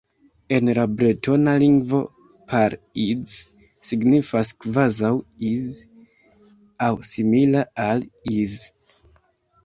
En la bretona lingvo "Par Is" signifas "kvazaŭ Is" aŭ "simila al Is".